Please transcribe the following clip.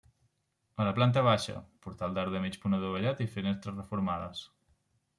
A la planta baixa, portal d'arc de mig punt adovellat i finestres reformades.